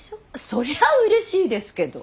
そりゃうれしいですけど。